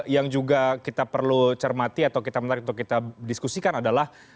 yang juga kita perlu cermati atau kita menarik untuk kita diskusikan adalah